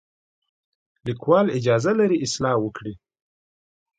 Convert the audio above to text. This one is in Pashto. لیکوال اجازه لري اصلاح وکړي.